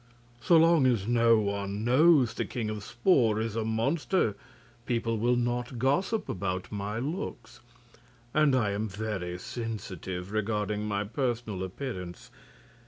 So long as no one knows the King of Spor is a monster people will not gossip about my looks, and I am very sensitive regarding my personal appearance.